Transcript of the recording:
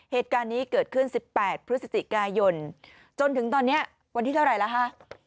เหตุการณ์นี้เกิดขึ้น๑๘พฤศจิกายนจนถึงตอนนี้วันที่เท่าไหร่แล้วฮะ